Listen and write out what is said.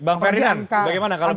bang ferdinand bagaimana kalau